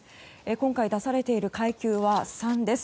今回出されている階級は３です。